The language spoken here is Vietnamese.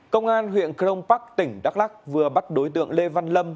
công an huyện crong park tỉnh đắk lắc vừa bắt đối tượng lê văn lâm